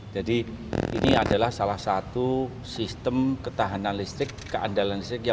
jadi ini adalah salah satu sistem ketahanan listrik keandalan listrik